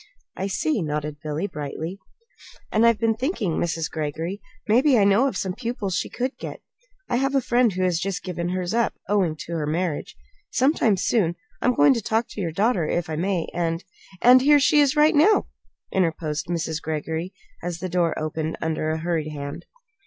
"I see," nodded Billy, brightly; "and I've been thinking, Mrs. Greggory maybe I know of some pupils she could get. I have a friend who has just given hers up, owing to her marriage. Sometime, soon, I'm going to talk to your daughter, if I may, and " "And here she is right now," interposed Mrs. Greggory, as the door opened under a hurried hand.